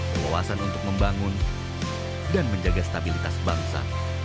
kewawasan untuk membangun dan menjaga stabilitas bangsa